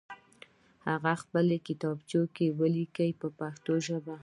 هغه په خپلو کتابچو کې ولیکئ په پښتو ژبه.